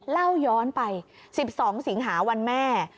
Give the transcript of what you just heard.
เล่าย้อนไป๑๒สิงหาวันแม่